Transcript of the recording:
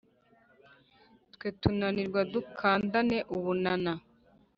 Twe kunanirwa dukandane ubunana